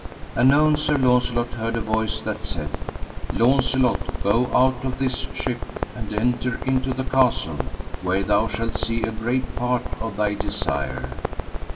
Anon Sir Launcelot heard a voice that said: Launcelot, go out of this ship and enter into the castle, where thou shalt see a great part of thy desire.